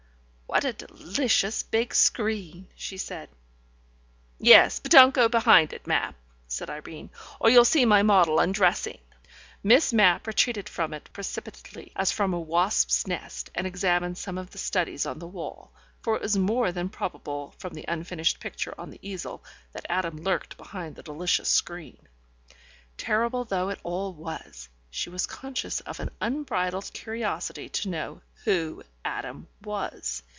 "What a delicious big screen," she said. "Yes, but don't go behind it, Mapp," said Irene, "or you'll see my model undressing." Miss Mapp retreated from it precipitately, as from a wasp's nest, and examined some of the studies on the wall, for it was more than probable from the unfinished picture on the easel that Adam lurked behind the delicious screen. Terrible though it all was, she was conscious of an unbridled curiosity to know who Adam was.